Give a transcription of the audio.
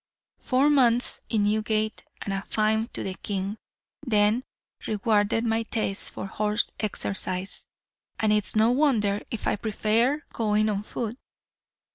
"Four months in Newgate and a fine to the king, then, rewarded my taste for horse exercise; and it's no wonder if I prefer going on foot.